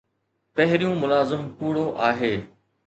پهريون ملازم ڪوڙو آهي